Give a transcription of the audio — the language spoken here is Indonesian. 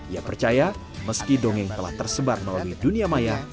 ia percaya meski dongeng telah tersebar melalui dunia maya